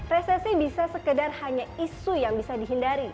resesi bisa sekedar hanya isu yang bisa dihindari